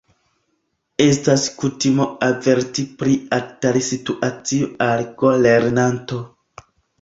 Estas kutimo averti pri atari-situacioj al go-lernanto.